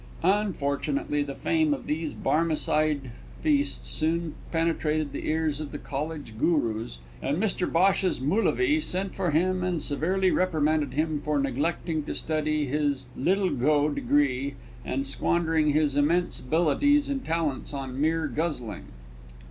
Unfortunately the fame of these Barmecide feasts soon penetrated the ears of the College gurus, and Mr Bhosh's Moolovee sent for him and severely reprimanded him for neglecting to study for his Little go degree, and squandering his immense abilities and talents on mere guzzling.